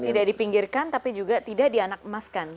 tidak dipinggirkan tapi juga tidak dianakmaskan